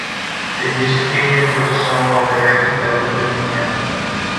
The music video for the song was directed by Lucas Vignale.